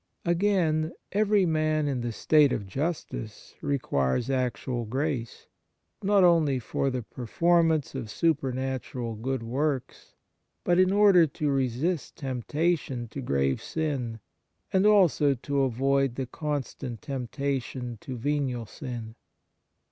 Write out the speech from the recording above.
Again, every man in the state of justice requires actual grace, not only for the performance of supernatural good works, but in order to resist temptation to grave sin, and also to avoid the constant temptation to venial sin.